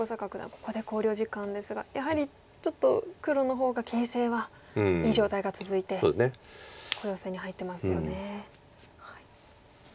ここで考慮時間ですがやはりちょっと黒の方が形勢はいい状態が続いて小ヨセに入ってますよね。